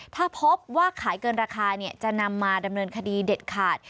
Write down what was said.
ถ้าพบว่าขายเกินราคาจะนำมาดำเนินคดีเด็ดขาด